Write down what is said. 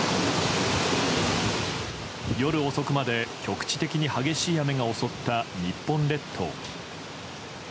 夜遅くまで局地的に激しい雨が襲った日本列島。